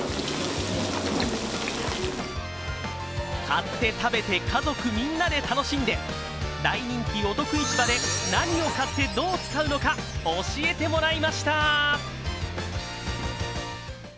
買って、食べて家族みんなで楽しんで大人気、おトク市場で何を買ってどう使うのか、教えてもらいました。